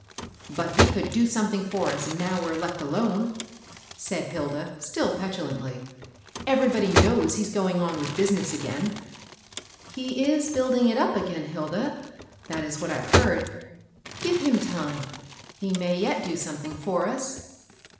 " But he could do something for us now we're left alone," said Hilda, still petulantly. " Every body knows he's going on with business again." 88 MABEL ROSS. ^^ He is building it up again, Hilda ; that is what I've heard. Give him time ; he may yet do some thing for us."